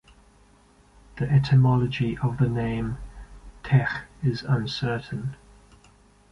The etymology of the name "Teche" is uncertain.